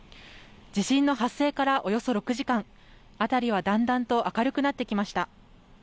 地震の発生からおよそ６時間、辺りはだんだんと明るくなってきました。